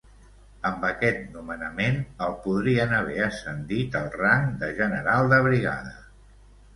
Amb aquest nomenament, el podrien haver ascendit al rang de general de brigada.